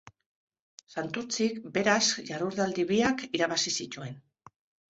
Santurtzik beraz jardunaldi biak irabazi zituen.